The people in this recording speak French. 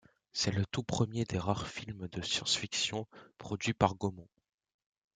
C’est le tout premier des rares films de science-fiction produits par Gaumont.